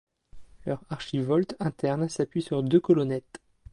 Leur archivolte interne s'appuie sur deux colonnettes.